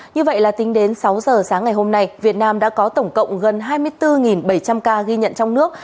như vậy là tính đến sáu giờ sáng ngày hôm nay việt nam đã có tổng cộng gần hai mươi bốn bảy trăm linh ca ghi nhận trong nước